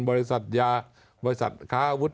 บริษัทยาบริษัทค้าอาวุธ